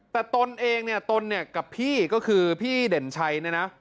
แต่ตนเองตนกับพี่ก็คือพี่เด่นชายนะนะ